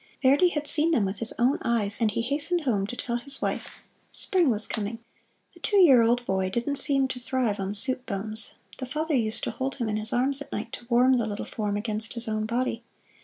Verdi had seen them with his own eyes, and he hastened home to tell his wife Spring was coming! The two year old boy didn't seem to thrive on soup bones. The father used to hold him in his arms at night to warm the little form against his own body.